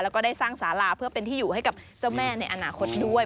แล้วก็ได้สร้างสาราเพื่อเป็นที่อยู่ให้กับเจ้าแม่ในอนาคตด้วย